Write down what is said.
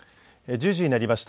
１０時になりました。